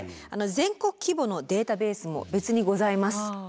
全国規模のデータベースも別にございます。